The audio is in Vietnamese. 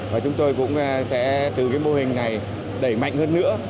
và chúng tôi cũng sẽ từ cái mô hình này đẩy mạnh hơn nữa